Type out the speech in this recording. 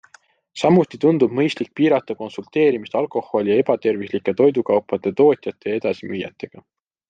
Samuti tundub mõistlik piirata konsulteerimist alkoholi- ja ebatervislike toidukaupade tootjate ja edasimüüjatega.